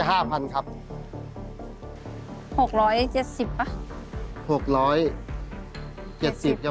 เหรออย่างนี้นะครับ๗๐๐๐บาท